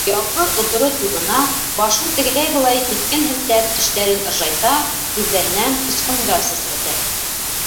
Ялбыр оторо туҙына, башын тегеләй-былай киҫкен һелтәп тештәрен ыржайта, күҙҙәренән осҡондар сәсрәтә.